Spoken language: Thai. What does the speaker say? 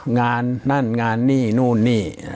นั่นงานนี่นู่นนี่